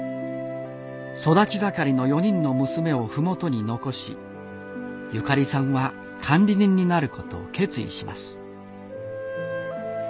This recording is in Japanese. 育ち盛りの４人の娘を麓に残しゆかりさんは管理人になることを決意します。